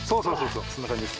そんな感じです。